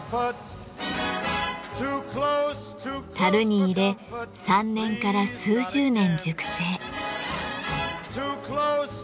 樽に入れ３年から数十年熟成。